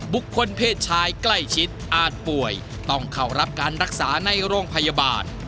เพศชายใกล้ชิดอาจป่วยต้องเข้ารับการรักษาในโรงพยาบาล